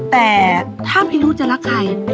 แต่ถ้าพี่นุษจะรักใคร